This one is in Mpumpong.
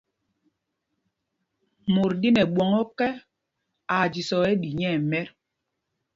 Mot ɗí nɛ ɓwɔŋ ɔ́kɛ, aa jīsɔɔ ɛni nyɛɛmɛt.